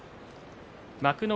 幕内